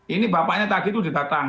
ini bapaknya tadi tuh ditatang